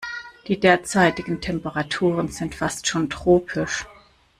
Die derzeitigen Temperaturen sind fast schon tropisch.